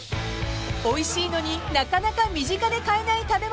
［おいしいのになかなか身近で買えない食べ物］